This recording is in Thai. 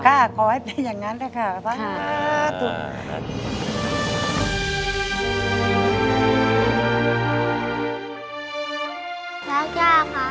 ค่ะกอให้เป็นอย่างนั้นค่ะ